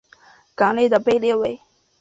港内的被列为。